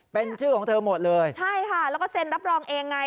เป็นชื่อของเธอหมดเลยใช่ค่ะแล้วก็เซ็นรับรองเองไง